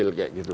kecil kayak gitu